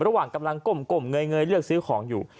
ระหว่างกำลังก้มเงยเลือกซื้อของอยู่